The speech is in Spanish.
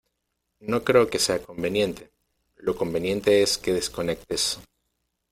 no creo que sea conveniente. lo conveniente es que desconectes